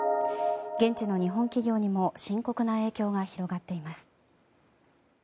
現地の日本企業にも深刻な影響が広がっています。